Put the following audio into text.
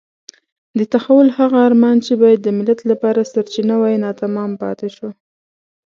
د تحول هغه ارمان چې باید د ملت لپاره سرچینه وای ناتمام پاتې شو.